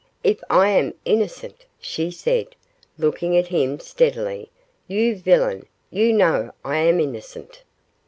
'If I am innocent!' she said, looking at him steadily; 'you villain, you know I am innocent!